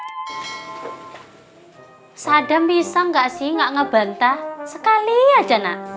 eh sadam bisa enggak sih enggak ngebantah sekali aja nak